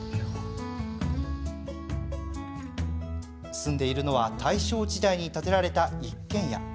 住んでいるのは大正時代に建てられた一軒家。